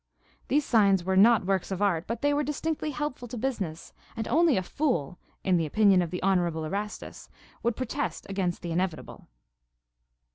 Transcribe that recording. These signs were not works of art, but they were distinctly helpful to business, and only a fool, in the opinion of the Honorable Erastus, would protest against the inevitable.